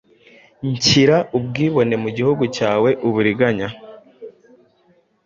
shyira ubwibone mu gihugu cyawe, uburiganya,